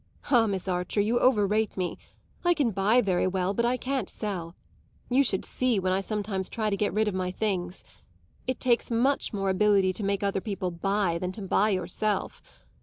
Ah, Miss Archer, you overrate me. I can buy very well, but I can't sell; you should see when I sometimes try to get rid of my things. It takes much more ability to make other people buy than to buy yourself.